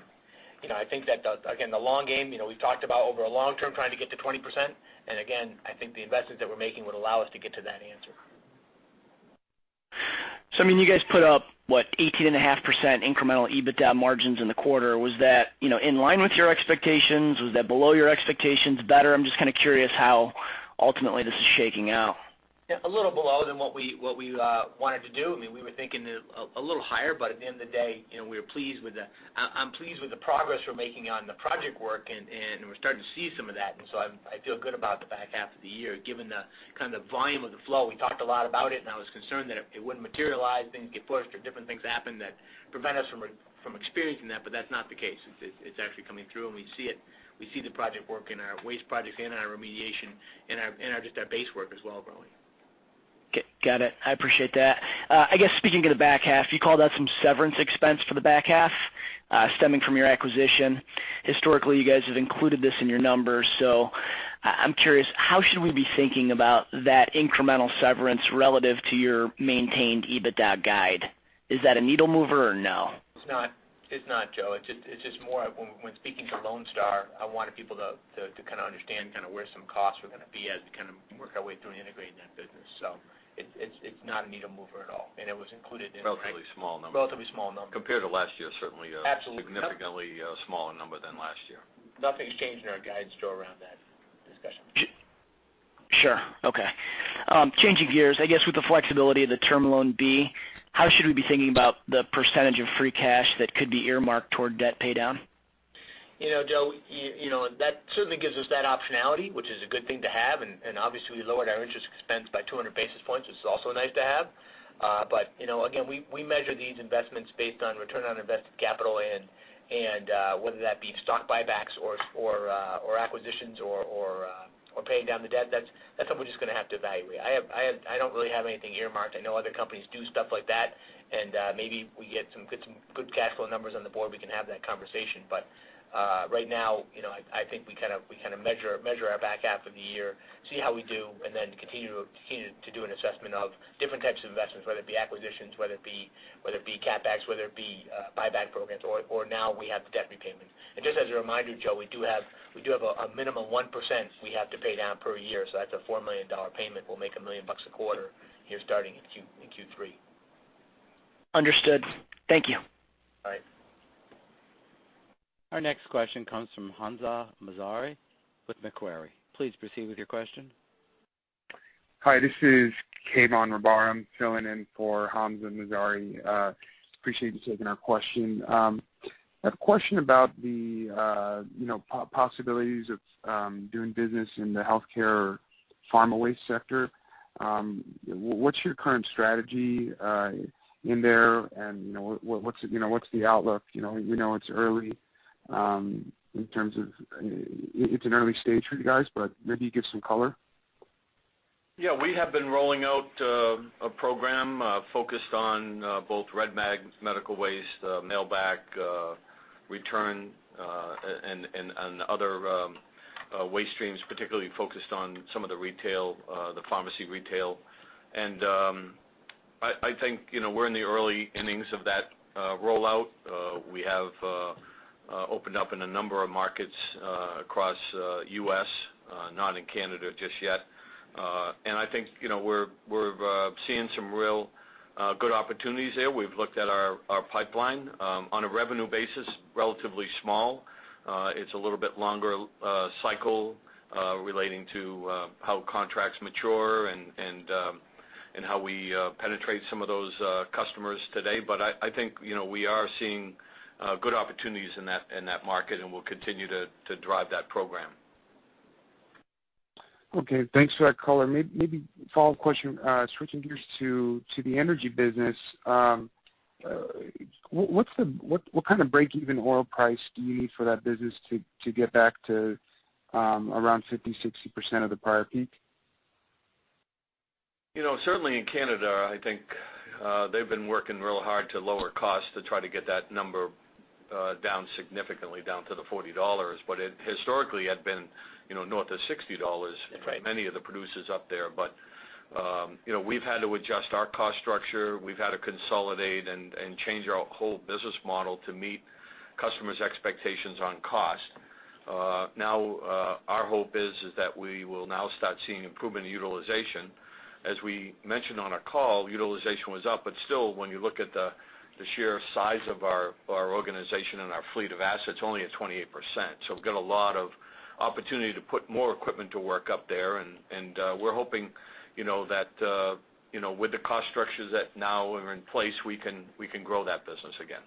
I think that, again, the long game, we've talked about over a long term trying to get to 20%. And again, I think the investments that we're making would allow us to get to that answer. So, I mean, you guys put up, what, 18.5% incremental EBITDA margins in the quarter. Was that in line with your expectations? Was that below your expectations, better? I'm just kind of curious how ultimately this is shaking out. Yeah. A little below than what we wanted to do. I mean, we were thinking a little higher, but at the end of the day, I'm pleased with the progress we're making on the project work, and we're starting to see some of that. And so I feel good about the back half of the year given the kind of volume of the flow. We talked a lot about it, and I was concerned that it wouldn't materialize, things get pushed, or different things happen that prevent us from experiencing that, but that's not the case. It's actually coming through, and we see the project work in our waste projects and our remediation and just our base work as well growing. Got it. I appreciate that. I guess speaking of the back half, you called out some severance expense for the back half stemming from your acquisition. Historically, you guys have included this in your numbers. So I'm curious, how should we be thinking about that incremental severance relative to your maintained EBITDA guide? Is that a needle mover or no? It's not, Joe. It's just more when speaking to Lone Star, I wanted people to kind of understand kind of where some costs are going to be as we kind of work our way through integrating that business. So it's not a needle mover at all. And it was included in. Relatively small number. Relatively small number. Compared to last year, certainly a significantly smaller number than last year. Nothing's changed in our guidance to go around that discussion. Sure. Okay. Changing gears, I guess with the flexibility of the Term Loan B, how should we be thinking about the percentage of free cash that could be earmarked toward debt paydown? You know, Joe, that certainly gives us that optionality, which is a good thing to have. Obviously, we lowered our interest expense by 200 basis points, which is also nice to have. But again, we measure these investments based on return on invested capital and whether that be stock buybacks or acquisitions or paying down the debt. That's something we're just going to have to evaluate. I don't really have anything earmarked. I know other companies do stuff like that. And maybe we get some good cash flow numbers on the board, we can have that conversation. But right now, I think we kind of measure our back half of the year, see how we do, and then continue to do an assessment of different types of investments, whether it be acquisitions, whether it be capex, whether it be buyback programs, or now we have the debt repayments. Just as a reminder, Joe, we do have a minimum 1% we have to pay down per year. So that's a $4 million payment. We'll make $1 million a quarter here starting in Q3. Understood. Thank you. All right. Our next question comes from Hamza Mazari with Macquarie. Please proceed with your question. Hi. This is Kayvon Rahbar. I'm filling in for Hamza Mazari. Appreciate you taking our question. A question about the possibilities of doing business in the healthcare pharma waste sector. What's your current strategy in there, and what's the outlook? We know it's early in terms of it's an early stage for you guys, but maybe you give some color. Yeah. We have been rolling out a program focused on both red bags, medical waste, mailbag return, and other waste streams, particularly focused on some of the retail, the pharmacy retail. I think we're in the early innings of that rollout. We have opened up in a number of markets across the U.S., not in Canada just yet. I think we're seeing some real good opportunities there. We've looked at our pipeline on a revenue basis, relatively small. It's a little bit longer cycle relating to how contracts mature and how we penetrate some of those customers today. But I think we are seeing good opportunities in that market, and we'll continue to drive that program. Okay. Thanks for that color. Maybe follow-up question, switching gears to the energy business. What kind of break-even oil price do you need for that business to get back to around 50%-60% of the prior peak? Certainly, in Canada, I think they've been working real hard to lower costs to try to get that number down significantly down to the $40. But historically, it had been north of $60 for many of the producers up there. But we've had to adjust our cost structure. We've had to consolidate and change our whole business model to meet customers' expectations on cost. Now, our hope is that we will now start seeing improvement in utilization. As we mentioned on our call, utilization was up, but still, when you look at the sheer size of our organization and our fleet of assets, only at 28%. So we've got a lot of opportunity to put more equipment to work up there. And we're hoping that with the cost structures that now are in place, we can grow that business again.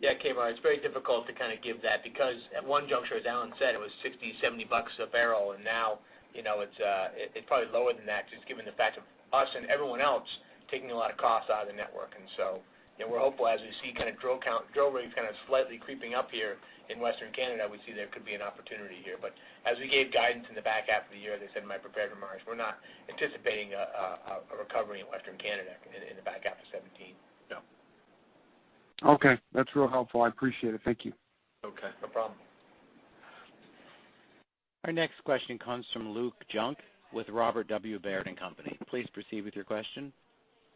Yeah, Kayvon, it's very difficult to kind of give that because at one juncture, as Alan said, it was $60-$70 a barrel. And now it's probably lower than that just given the fact of us and everyone else taking a lot of costs out of the network. And so we're hopeful as we see kind of drill rates kind of slightly creeping up here in Western Canada, we see there could be an opportunity here. But as we gave guidance in the back half of the year, they said in my prepared remarks, we're not anticipating a recovery in Western Canada in the back half of 2017. No. Okay. That's real helpful. I appreciate it. Thank you. Okay. No problem. Our next question comes from Luke Junk with Robert W. Baird & Company. Please proceed with your question.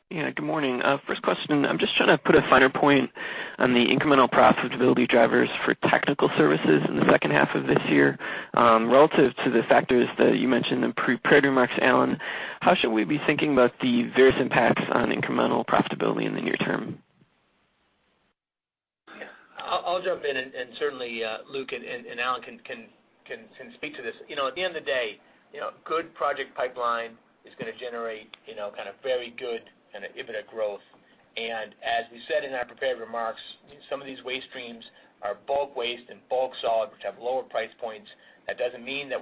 Yeah. Good morning. First question, I'm just trying to put a finer point on the incremental profitability drivers for technical services in the second half of this year. Relative to the factors that you mentioned in prepared remarks, Alan, how should we be thinking about the various impacts on incremental profitability in the near term? Yeah. I'll jump in. Certainly, Luke and Alan can speak to this. At the end of the day, good project pipeline is going to generate kind of very good and even a growth. As we said in our prepared remarks, some of these waste streams are bulk waste and bulk solid, which have lower price points. That doesn't mean that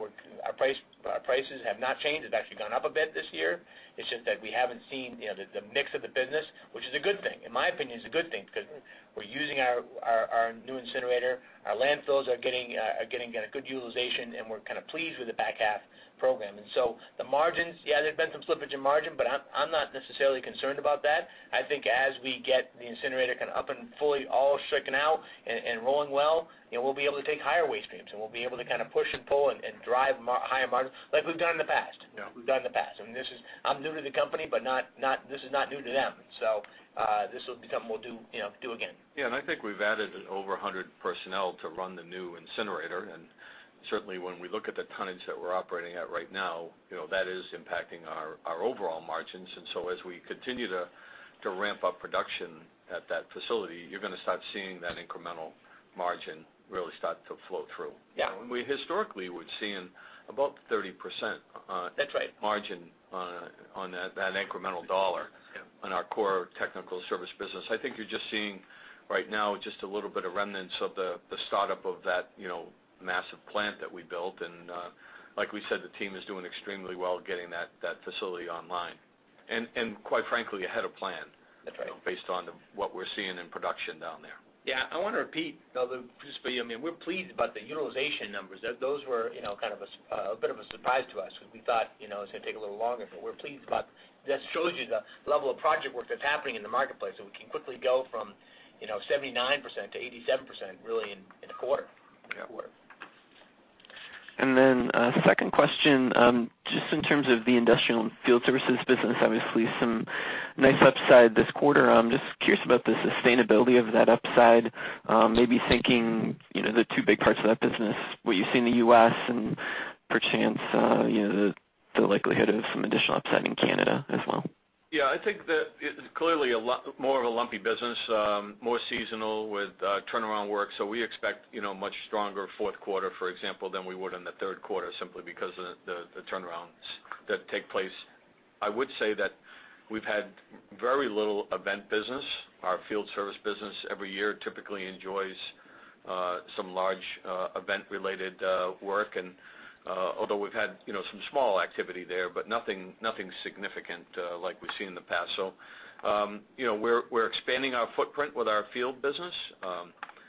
our prices have not changed. It's actually gone up a bit this year. It's just that we haven't seen the mix of the business, which is a good thing. In my opinion, it's a good thing because we're using our new incinerator. Our landfills are getting a good utilization, and we're kind of pleased with the back half program. So the margins, yeah, there's been some slippage in margin, but I'm not necessarily concerned about that. I think as we get the incinerator kind of up and fully all stricken out and rolling well, we'll be able to take higher waste streams, and we'll be able to kind of push and pull and drive higher margins like we've done in the past. We've done in the past. I mean, this is, I'm new to the company, but this is not new to them. So this will be something we'll do again. Yeah. I think we've added over 100 personnel to run the new incinerator. Certainly, when we look at the tonnage that we're operating at right now, that is impacting our overall margins. So as we continue to ramp up production at that facility, you're going to start seeing that incremental margin really start to flow through. We historically were seeing about 30% margin on that incremental dollar on our core Technical Services business. I think you're just seeing right now just a little bit of remnants of the startup of that massive plant that we built. Like we said, the team is doing extremely well getting that facility online and, quite frankly, ahead of plan based on what we're seeing in production down there. Yeah. I want to repeat, just for you, I mean, we're pleased about the utilization numbers. Those were kind of a bit of a surprise to us because we thought it was going to take a little longer. But we're pleased about that shows you the level of project work that's happening in the marketplace that we can quickly go from 79%-87% really in a quarter. Then second question, just in terms of the Industrial and Field Services business, obviously some nice upside this quarter. I'm just curious about the sustainability of that upside, maybe thinking the two big parts of that business, what you see in the U.S. and, perhaps, the likelihood of some additional upside in Canada as well. Yeah. I think that clearly more of a lumpy business, more seasonal with turnaround work. So we expect a much stronger fourth quarter, for example, than we would in the third quarter simply because of the turnarounds that take place. I would say that we've had very little event business. Our field service business every year typically enjoys some large event-related work. And although we've had some small activity there, but nothing significant like we've seen in the past. So we're expanding our footprint with our field business.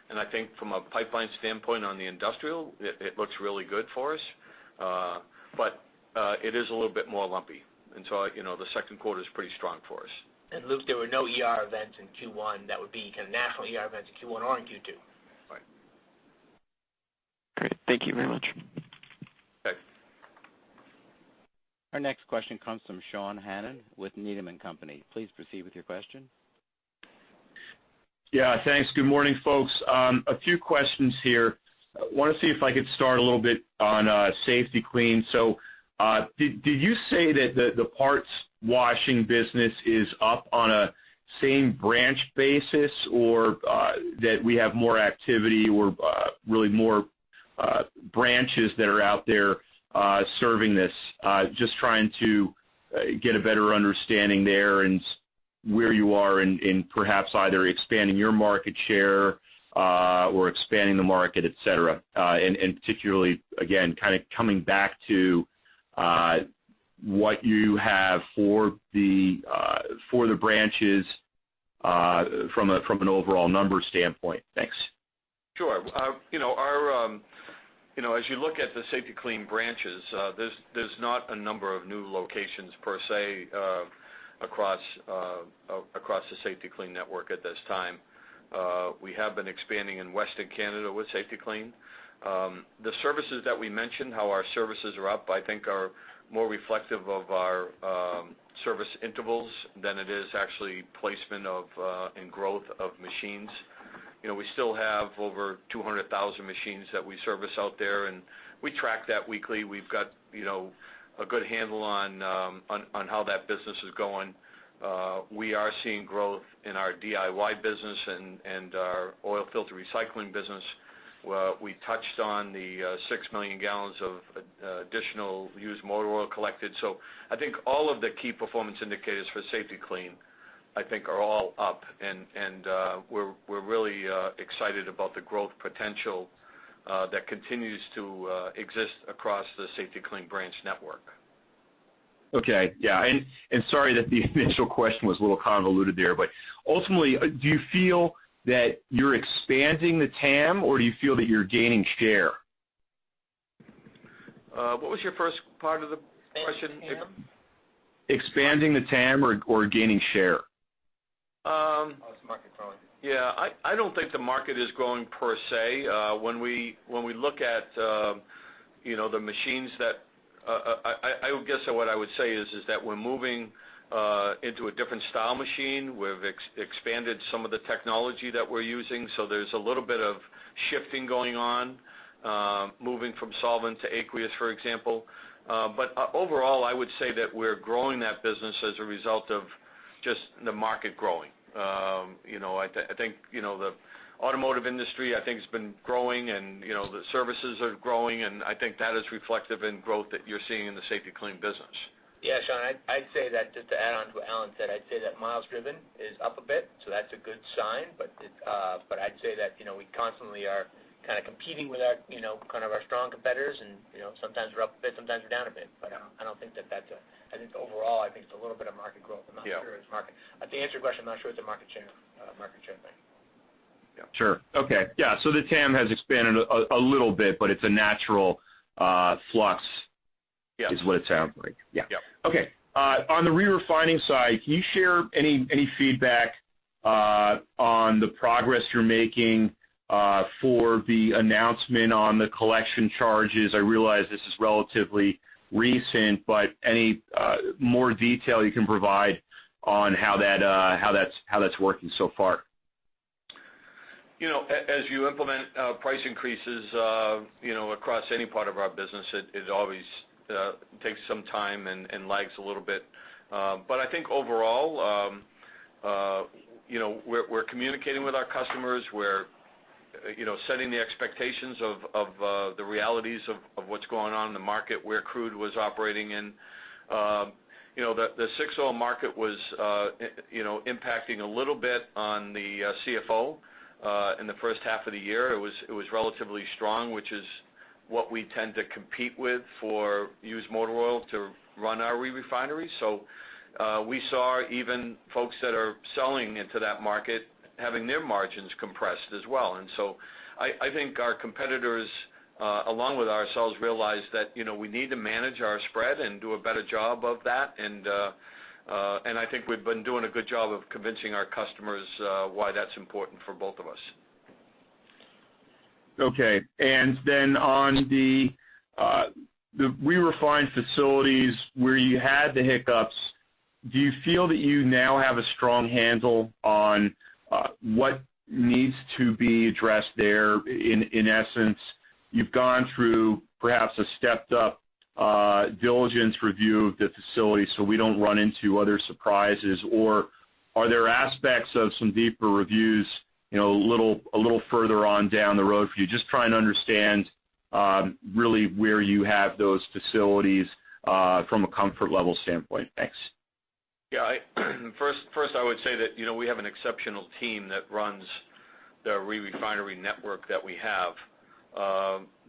And I think from a pipeline standpoint on the industrial, it looks really good for us. But it is a little bit more lumpy. And so the second quarter is pretty strong for us. And Luke, there were no events in Q1 that would be kind of national events in Q1 or in Q2. Right. Great. Thank you very much. Okay. Our next question comes from Sean Hannan with Needham & Company. Please proceed with your question. Yeah. Thanks. Good morning, folks. A few questions here. I want to see if I could start a little bit on Safety-Kleen. So did you say that the parts washing business is up on a same branch basis or that we have more activity or really more branches that are out there serving this? Just trying to get a better understanding there and where you are in perhaps either expanding your market share or expanding the market, etc. And particularly, again, kind of coming back to what you have for the branches from an overall number standpoint. Thanks. Sure. As you look at the Safety-Kleen branches, there's not a number of new locations per se across the Safety-Kleen network at this time. We have been expanding in Western Canada with Safety-Kleen. The services that we mentioned, how our services are up, I think are more reflective of our service intervals than it is actually placement and growth of machines. We still have over 200,000 machines that we service out there. And we track that weekly. We've got a good handle on how that business is going. We are seeing growth in our DIY business and our oil filter recycling business. We touched on the 6 million gallons of additional used motor oil collected. So I think all of the key performance indicators for Safety-Kleen, I think, are all up. We're really excited about the growth potential that continues to exist across the Safety-Kleen branch network. Okay. Yeah. Sorry that the initial question was a little convoluted there. But ultimately, do you feel that you're expanding the TAM, or do you feel that you're gaining share? What was your first part of the question? Expanding the TAM or gaining share? Oh, it's market growing. Yeah. I don't think the market is growing per se. When we look at the machines that I guess what I would say is that we're moving into a different style machine. We've expanded some of the technology that we're using. So there's a little bit of shifting going on, moving from solvent to aqueous, for example. But overall, I would say that we're growing that business as a result of just the market growing. I think the automotive industry, I think, has been growing, and the services are growing. And I think that is reflective in growth that you're seeing in the Safety-Kleen business. Yeah, Sean, I'd say that just to add on to what Alan said, I'd say that Miles Driven is up a bit. So that's a good sign. But I'd say that we constantly are kind of competing with kind of our strong competitors. And sometimes we're up a bit, sometimes we're down a bit. But I don't think that that's a. I think overall, I think it's a little bit of market growth. I'm not sure it's market. To answer your question, I'm not sure it's a market share thing. Yeah. Sure. Okay. Yeah. So the TAM has expanded a little bit, but it's a natural flux is what it sounds like. Yeah. Yeah. Okay. On the re-refining side, can you share any feedback on the progress you're making for the announcement on the collection charges? I realize this is relatively recent, but any more detail you can provide on how that's working so far? As you implement price increases across any part of our business, it always takes some time and lags a little bit. But I think overall, we're communicating with our customers. We're setting the expectations of the realities of what's going on in the market, where crude was operating in. The 60 market was impacting a little bit on the CFO in the first half of the year. It was relatively strong, which is what we tend to compete with for used motor oil to run our re-refineries. So we saw even folks that are selling into that market having their margins compressed as well. And so I think our competitors, along with ourselves, realize that we need to manage our spread and do a better job of that. And I think we've been doing a good job of convincing our customers why that's important for both of us. Okay. And then on the re-refinery facilities where you had the hiccups, do you feel that you now have a strong handle on what needs to be addressed there? In essence, you've gone through perhaps a stepped-up diligence review of the facility so we don't run into other surprises. Or are there aspects of some deeper reviews a little further on down the road for you? Just trying to understand really where you have those facilities from a comfort level standpoint. Thanks. Yeah. First, I would say that we have an exceptional team that runs the re-refinery network that we have.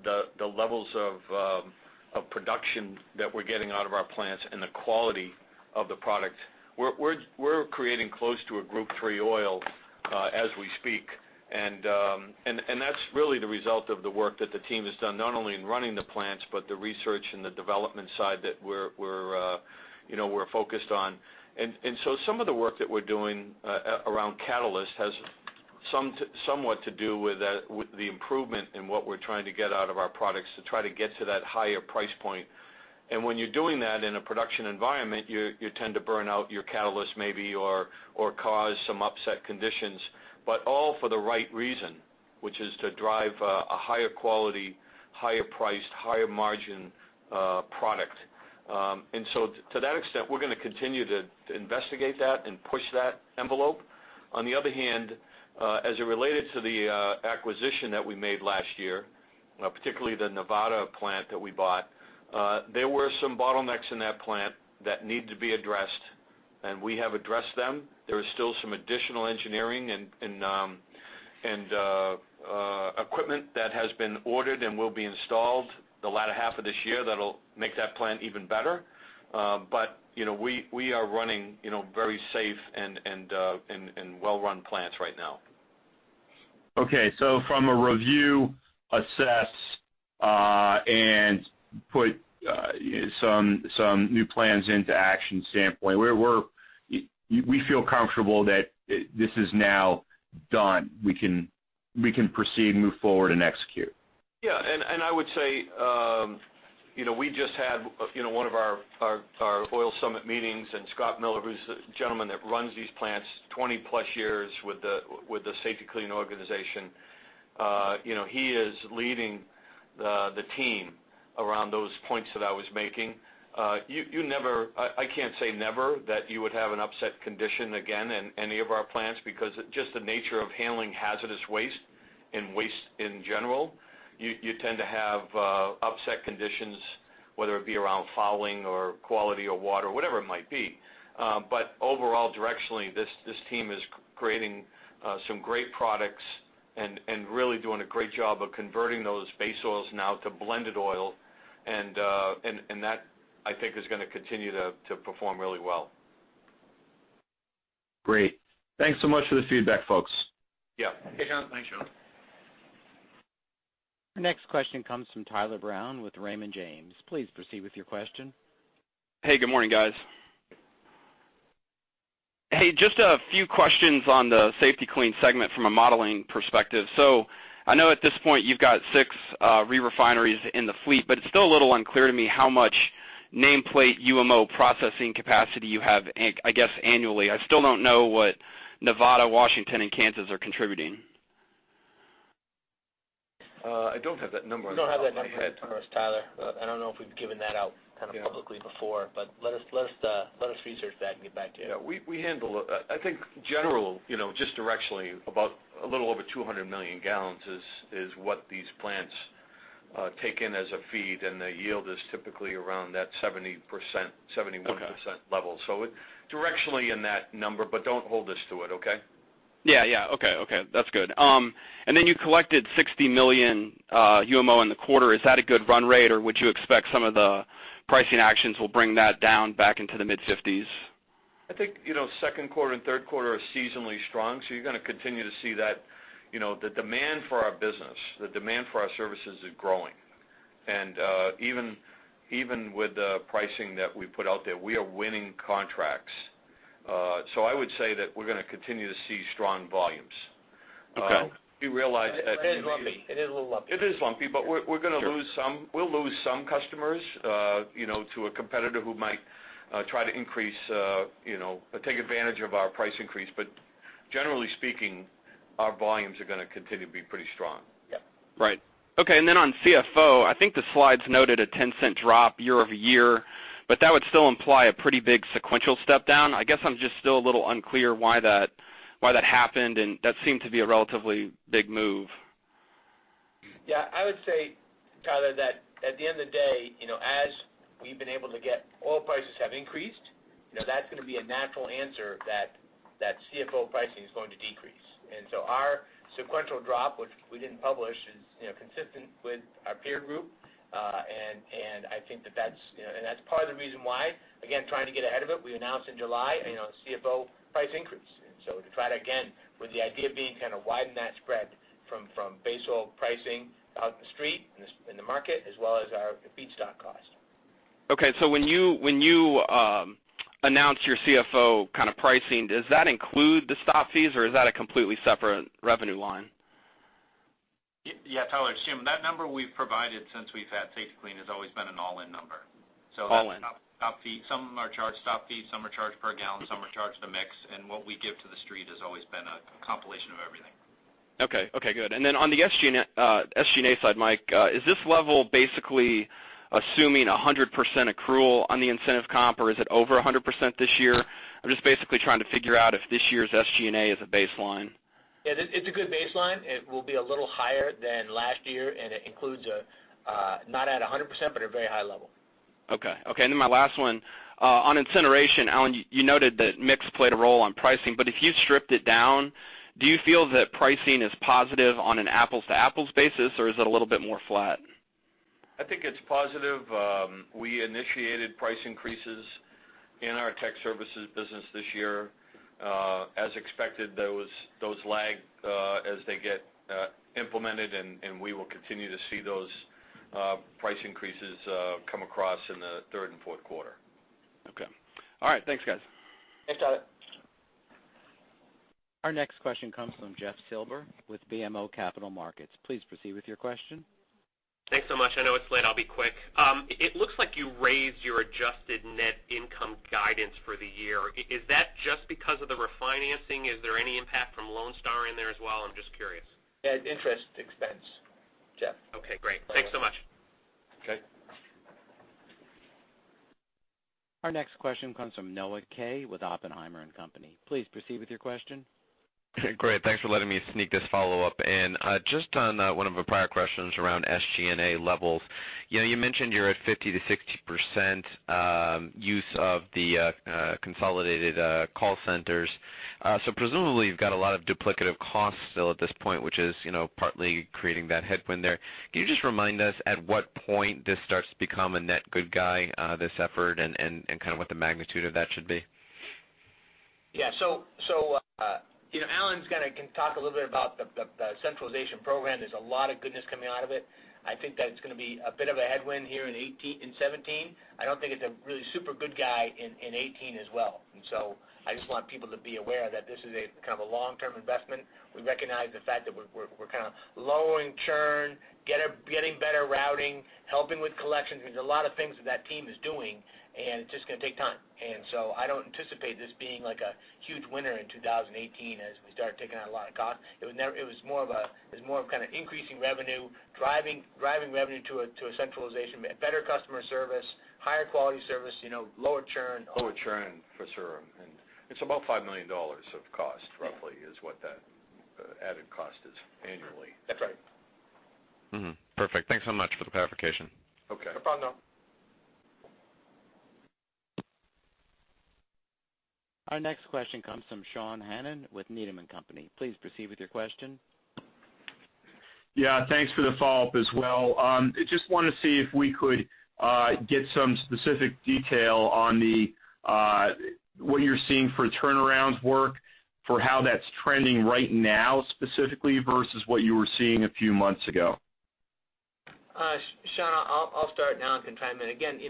The levels of production that we're getting out of our plants and the quality of the product, we're creating close to a Group 3 oil as we speak. That's really the result of the work that the team has done, not only in running the plants, but the research and the development side that we're focused on. So some of the work that we're doing around catalysts has somewhat to do with the improvement in what we're trying to get out of our products to try to get to that higher price point. And when you're doing that in a production environment, you tend to burn out your catalysts maybe or cause some upset conditions, but all for the right reason, which is to drive a higher quality, higher priced, higher margin product. And so to that extent, we're going to continue to investigate that and push that envelope. On the other hand, as it related to the acquisition that we made last year, particularly the Nevada plant that we bought, there were some bottlenecks in that plant that need to be addressed, and we have addressed them. There is still some additional engineering and equipment that has been ordered and will be installed the latter half of this year that'll make that plant even better. But we are running very safe and well-run plants right now. Okay. So from a review, assess, and put some new plans into action standpoint, we feel comfortable that this is now done. We can proceed, move forward, and execute. Yeah. And I would say we just had one of our oil summit meetings, and Scott Miller, who's the gentleman that runs these plants 20+ years with the Safety-Kleen organization, he is leading the team around those points that I was making. I can't say never that you would have an upset condition again in any of our plants because just the nature of handling hazardous waste and waste in general, you tend to have upset conditions, whether it be around fouling or quality or water, whatever it might be. But overall, directionally, this team is creating some great products and really doing a great job of converting those base oils now to blended oil. And that, I think, is going to continue to perform really well. Great. Thanks so much for the feedback, folks. Yeah. Thanks, Sean. Our next question comes from Tyler Brown with Raymond James. Please proceed with your question. Hey, good morning, guys. Hey, just a few questions on the Safety-Kleen segment from a modeling perspective. So I know at this point you've got six re-refineries in the fleet, but it's still a little unclear to me how much nameplate UMO processing capacity you have, I guess, annually. I still don't know what Nevada, Washington, and Kansas are contributing. I don't have that number. You don't have that number, Tyler. I don't know if we've given that out kind of publicly before. Let us research that and get back to you. Yeah. I think generally, just directionally, about a little over 200 million gallons is what these plants take in as a feed. And the yield is typically around that 70%-71% level. So directionally in that number, but don't hold us to it, okay? Yeah. Yeah. Okay. Okay. That's good. And then you collected 60 million UMO in the quarter. Is that a good run rate, or would you expect some of the pricing actions will bring that down back into the mid-50s? I think second quarter and third quarter are seasonally strong. You're going to continue to see that the demand for our business, the demand for our services is growing. Even with the pricing that we put out there, we are winning contracts. I would say that we're going to continue to see strong volumes. We realize that. It is lumpy. It is a little lumpy. It is lumpy, but we're going to lose some. We'll lose some customers to a competitor who might try to increase or take advantage of our price increase. But generally speaking, our volumes are going to continue to be pretty strong. Yeah. Right. Okay. And then on CFO, I think the slides noted a $0.10 drop year-over-year, but that would still imply a pretty big sequential step down. I guess I'm just still a little unclear why that happened, and that seemed to be a relatively big move. Yeah. I would say, Tyler, that at the end of the day, as we've been able to get oil prices have increased, that's going to be a natural answer that CFO pricing is going to decrease. And so our sequential drop, which we didn't publish, is consistent with our peer group. And I think that's part of the reason why, again, trying to get ahead of it. We announced in July a CFO price increase. And so to try to, again, with the idea of being kind of widen that spread from base oil pricing out in the street in the market as well as our feedstock cost. Okay. So when you announce your CFO kind of pricing, does that include the stop fees, or is that a completely separate revenue line? Yeah, Tyler, that number we've provided since we've had Safety-Kleen has always been an all-in number. So some are charged storage fees, some are charged per gallon, some are charged a mix. And what we give to the street has always been a compilation of everything. Okay. Okay. Good. And then on the SG&A side, Mike, is this level basically assuming 100% accrual on the incentive comp, or is it over 100% this year? I'm just basically trying to figure out if this year's SG&A is a baseline. Yeah. It's a good baseline. It will be a little higher than last year, and it includes not at 100%, but a very high level. Okay. Okay. And then my last one. On incineration, Alan, you noted that mix played a role on pricing. But if you stripped it down, do you feel that pricing is positive on an apples-to-apples basis, or is it a little bit more flat? I think it's positive. We initiated price increases in our tech services business this year. As expected, those lag as they get implemented, and we will continue to see those price increases come across in the third and fourth quarter. Okay. All right. Thanks, guys. Thanks, Tyler. Our next question comes from Jeff Silber with BMO Capital Markets. Please proceed with your question. Thanks so much. I know it's late. I'll be quick. It looks like you raised your Adjusted net income guidance for the year. Is that just because of the refinancing? Is there any impact from Lone Star in there as well? I'm just curious. Yeah. Interest expense, Jeff. Okay. Great. Thanks so much. Okay. Our next question comes from Noah Kaye with Oppenheimer & Company. Please proceed with your question. Great. Thanks for letting me sneak this follow-up in. Just on one of the prior questions around SG&A levels, you mentioned you're at 50%-60% use of the consolidated call centers. So presumably, you've got a lot of duplicative costs still at this point, which is partly creating that headwind there. Can you just remind us at what point this starts to become a net good guy, this effort, and kind of what the magnitude of that should be? Yeah. So Alan's going to talk a little bit about the centralization program. There's a lot of goodness coming out of it. I think that it's going to be a bit of a headwind here in 2017. I don't think it's a really super good year in 2018 as well. So I just want people to be aware that this is kind of a long-term investment. We recognize the fact that we're kind of lowering churn, getting better routing, helping with collections. There's a lot of things that that team is doing, and it's just going to take time. So I don't anticipate this being a huge winner in 2018 as we start taking out a lot of costs. It was more of kind of increasing revenue, driving revenue to a centralization, better customer service, higher quality service, lower churn. Lower churn, for sure. It's about $5 million of cost, roughly, is what that added cost is annually. That's right. Perfect. Thanks so much for the clarification. Okay. No problem at all. Our next question comes from Sean Hannan with Needham & Company. Please proceed with your question. Yeah. Thanks for the follow-up as well. Just wanted to see if we could get some specific detail on what you're seeing for turnaround work, for how that's trending right now specifically versus what you were seeing a few months ago. Sean, I'll start now and confirm it. Again,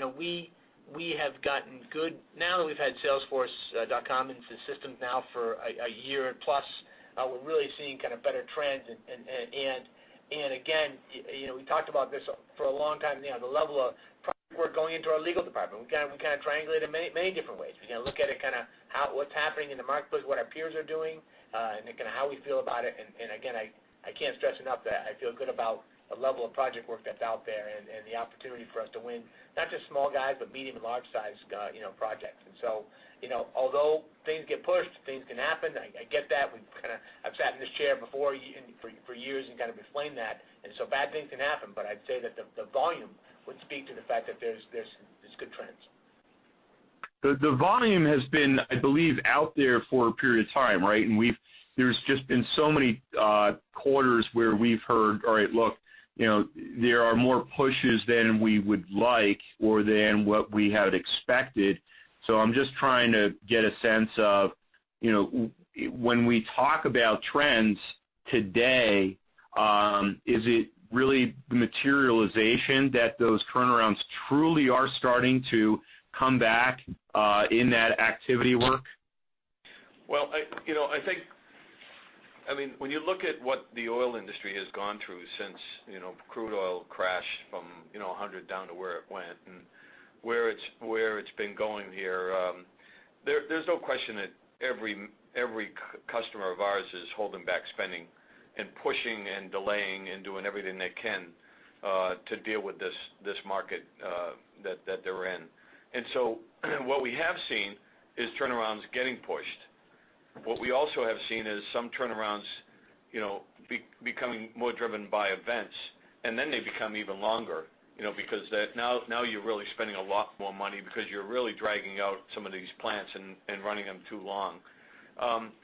we have gotten good now that we've had Salesforce.com into the system now for a year plus. We're really seeing kind of better trends. Again, we talked about this for a long time. The level of. We're going into our legal department. We kind of triangulate in many different ways. We kind of look at it kind of what's happening in the marketplace, what our peers are doing, and kind of how we feel about it. Again, I can't stress enough that I feel good about the level of project work that's out there and the opportunity for us to win not just small guys, but medium and large-sized projects. So although things get pushed, things can happen. I get that. I've sat in this chair before for years and kind of explained that. Bad things can happen, but I'd say that the volume would speak to the fact that there's good trends. The volume has been, I believe, out there for a period of time, right? And there's just been so many quarters where we've heard, "All right, look, there are more pushes than we would like or than what we had expected." So I'm just trying to get a sense of when we talk about trends today, is it really the materialization that those turnarounds truly are starting to come back in that activity work? Well, I think, I mean, when you look at what the oil industry has gone through since crude oil crashed from $100 down to where it went and where it's been going here, there's no question that every customer of ours is holding back spending and pushing and delaying and doing everything they can to deal with this market that they're in. And so what we have seen is turnarounds getting pushed. What we also have seen is some turnarounds becoming more driven by events, and then they become even longer because now you're really spending a lot more money because you're really dragging out some of these plants and running them too long.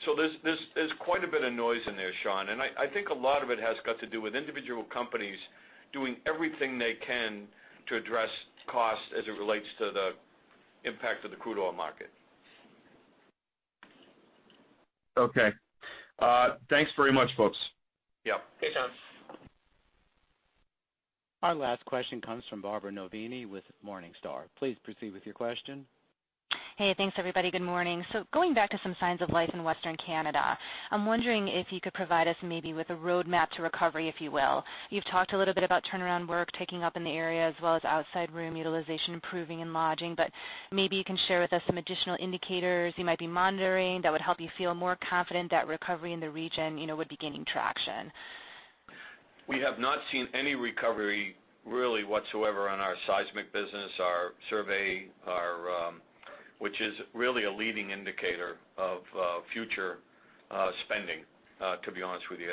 So there's quite a bit of noise in there, Sean. I think a lot of it has got to do with individual companies doing everything they can to address costs as it relates to the impact of the crude oil market. Okay. Thanks very much, folks. Yeah. Thanks, Sean. Our last question comes from Barbara Noverini with Morningstar. Please proceed with your question. Hey. Thanks, everybody. Good morning. Going back to some signs of life in Western Canada, I'm wondering if you could provide us maybe with a roadmap to recovery, if you will. You've talked a little bit about turnaround work picking up in the area as well as oil sands utilization improving, and lodging. Maybe you can share with us some additional indicators you might be monitoring that would help you feel more confident that recovery in the region would be gaining traction. We have not seen any recovery really whatsoever on our seismic business, our survey, which is really a leading indicator of future spending, to be honest with you.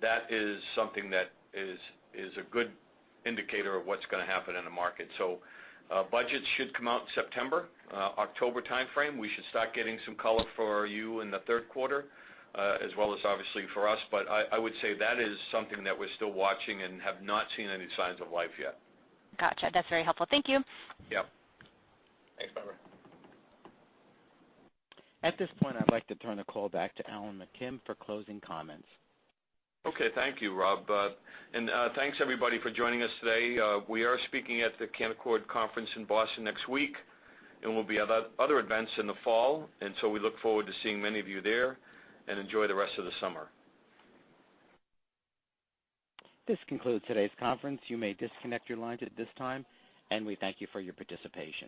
That is something that is a good indicator of what's going to happen in the market. Budgets should come out in September, October timeframe. We should start getting some color for you in the third quarter as well as obviously for us. I would say that is something that we're still watching and have not seen any signs of life yet. Gotcha. That's very helpful. Thank you. Yeah. Thanks, Tyler. At this point, I'd like to turn the call back to Alan McKim for closing comments. Okay. Thank you, Rob. And thanks, everybody, for joining us today. We are speaking at the Canaccord Conference in Boston next week, and we'll be at other events in the fall. And so we look forward to seeing many of you there and enjoy the rest of the summer. This concludes today's conference. You may disconnect your lines at this time, and we thank you for your participation.